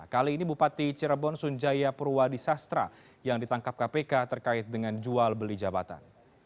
kali ini bupati cirebon sunjaya purwadi sastra yang ditangkap kpk terkait dengan jual beli jabatan